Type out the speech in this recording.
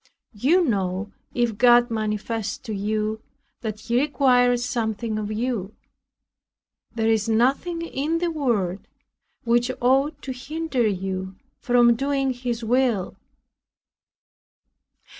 You know if God manifests to you that He requires something of you; there is nothing in the world which ought to hinder you from doing His will.